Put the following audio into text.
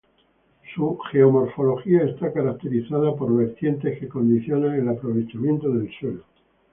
Su geomorfología está caracterizada por vertientes que condicionan el aprovechamiento del suelo.